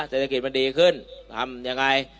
เศรษฐกิจมันดีขึ้นทำยังไง